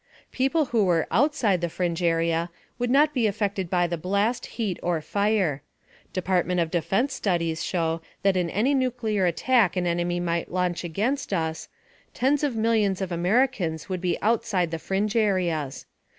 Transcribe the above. People who were outside the fringe area would not be affected by the blast, heat or fire. Department of Defense studies show that in any nuclear attack an enemy might launch against us, tens of millions of Americans would be outside the fringe areas.